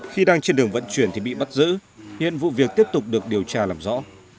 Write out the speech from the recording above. khi đang trên đường vận chuyển thì bị bắt giữ hiện vụ việc tiếp tục được điều tra làm rõ